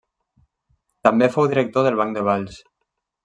També fou director del Banc de Valls.